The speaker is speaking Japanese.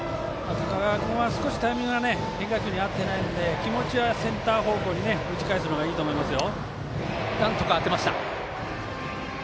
高川君は少しタイミングが合ってないので気持ちはセンター方向に打ち返すのがいいと思いますよ。